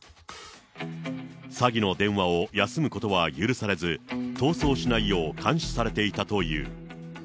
詐欺の電話を休むことは許されず、逃走しないよう監視されていたという。